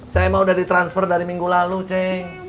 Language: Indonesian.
saya mah udah ditransfer dari minggu lalu ceng